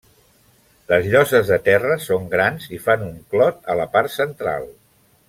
Les lloses de terra són grans i fan un clot a la part central.